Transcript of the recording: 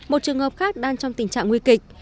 một trường hợp khác đang trong tình trạng nguy kịch